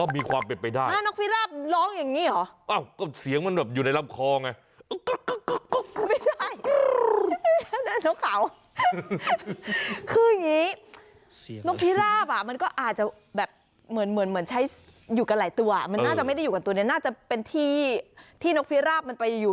มันไม่ใช่พึ่งพี่